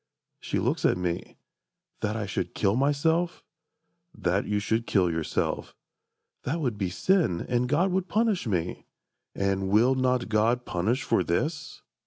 She looks at me. "That I should kill myself?"— "That you should kill yourself."—"That would be sin, And God would punish me!"—"And will not God Punish for this?"